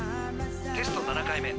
「テスト７回目」